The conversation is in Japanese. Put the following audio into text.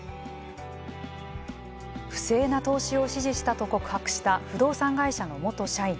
不正な投資を指示したと告白した、不動産会社の元社員。